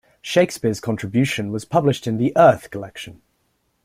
Shakespeare's contribution was published in the "Earth" collection.